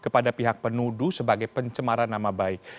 kepada pihak penuduh sebagai pencemaran nama baik